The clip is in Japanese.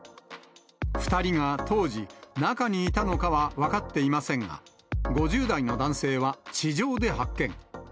２人が当時、中にいたのかは分かっていませんが、５０代の男性は地上で発見。